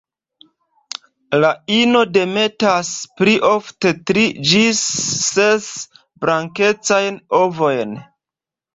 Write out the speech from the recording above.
La ino demetas pli ofte tri ĝis ses blankecajn ovojn.